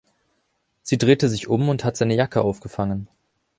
Sie drehte sich um und hat seine Jacke aufgefangen.